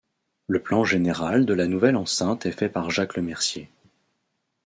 Le plan général de la nouvelle enceinte est fait par Jacques Lemercier.